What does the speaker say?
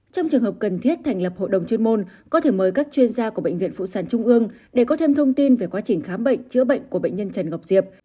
trong trường hợp cần thiết thành lập hội đồng chuyên môn có thể mời các chuyên gia của bệnh viện phụ sản trung ương để có thêm thông tin về quá trình khám bệnh chữa bệnh của bệnh nhân trần ngọc diệp